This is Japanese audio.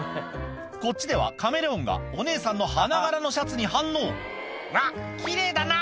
こっちではカメレオンがお姉さんの花柄のシャツに反応「あっ奇麗だな」